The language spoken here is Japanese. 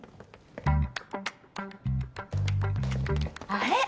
・あれ？